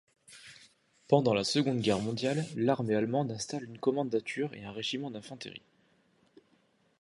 Pendant la Seconde Guerre mondiale, l'armée allemande installe une kommandatur et un régiment d'infanterie.